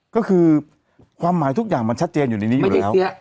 ก็คือความหมายทุกอย่างมันชัดเจนอยู่ในนี้อยู่แล้ว